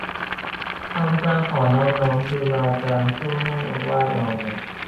ข้าพเจ้าขอนอบน้อมครูบาอาจารย์ผู้ให้โอวาทเหล่านั้น